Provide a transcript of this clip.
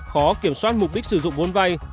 khó kiểm soát mục đích sử dụng vốn vay